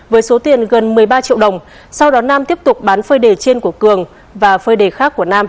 với số tiền gần một mươi ba triệu đồng sau đó nam tiếp tục bán phơi đề trên của cường và phơi đề khác của nam